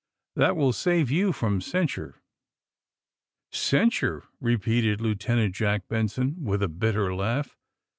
That will gave you from censure. ''*' Censure I" repeated Lieutenant Jack Ben son, with a bitter laugh.